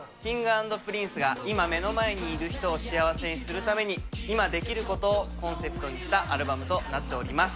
Ｋｉｎｇ＆Ｐｒｉｎｃｅが今目の前にいる人を幸せにするために、今できることをコンセプトにしたアルバムとなっております。